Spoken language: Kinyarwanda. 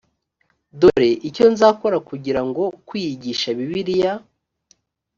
dore icyo nzakora kugira ngo kwiyigisha bibiliya